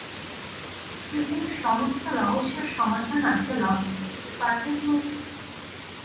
পৃথিবীর সমস্ত রহস্যের সমাধান আছে লজিকে, পারবেন বলতে?